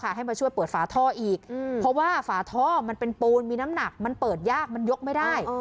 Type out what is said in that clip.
ให้มาช่วยเปิดฝาท่ออีกเพราะว่าฝาท่อมันเป็นปูนมีน้ำหนักมันเปิดยากมันยกไม่ได้